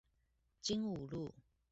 精武路